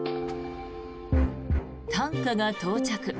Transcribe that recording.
担架が到着。